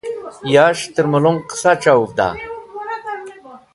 Yas̃h tẽr mẽlong qẽsa c̃hawũvda?